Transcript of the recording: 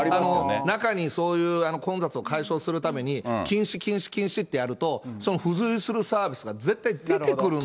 中にそういう混雑を解消するために、禁止、禁止、禁止ってやるとその付随するサービスが絶対出てくるんです。